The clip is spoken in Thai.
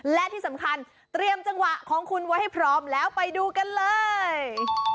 และที่สำคัญเตรียมจังหวะของคุณไว้ให้พร้อมแล้วไปดูกันเลย